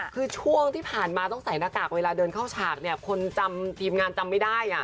คือช่วงที่ผ่านมาต้องใส่หน้ากากเวลาเดินเข้าฉากเนี่ยคนจำทีมงานจำไม่ได้